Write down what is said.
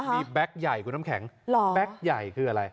มีแบ็คใหญ่คุณน้ำแข็งแก๊กใหญ่คืออะไร